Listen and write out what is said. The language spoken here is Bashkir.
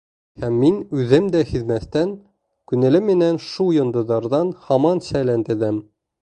Һәм мин, үҙем дә һиҙмәҫтән, күңелем менән шул йондоҙҙарҙан һаман сәйлән теҙәм.